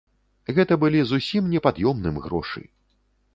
Гэта былі зусім непад'ёмным грошы!